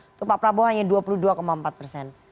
untuk pak prabowo hanya dua puluh dua empat persen